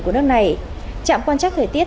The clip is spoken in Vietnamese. của nước này trạm quan trắc thời tiết